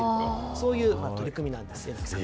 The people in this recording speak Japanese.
そういう取り組みなんです。